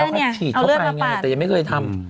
แล้วเอาเลือดมาปั่นแต่ยังไม่เคยทำ